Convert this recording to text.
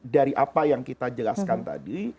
dari apa yang kita jelaskan tadi